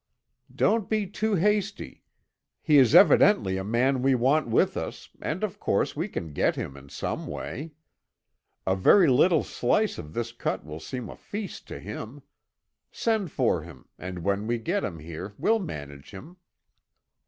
"Don't be too hasty. He is evidently a man we want with us, and of course we can get him in some way. A very little slice of this cut will seem a feast to him. Send for him, and when we get him here we'll manage him."